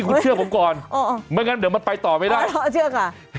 คุณเชื่อผมก่อนเออไม่งั้นเดี๋ยวมันไปต่อไม่ได้เชื่อค่ะ